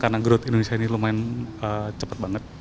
karena growth indonesia ini lumayan cepat banget